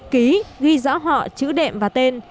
ký ghi rõ họ chữ đệm và tên